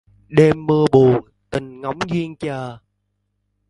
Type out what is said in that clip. Đêm mưa buồn, tình ngóng duyên chờ.